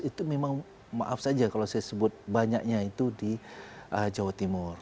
itu memang maaf saja kalau saya sebut banyaknya itu di jawa timur